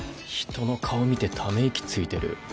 人の顔見てため息ついてる。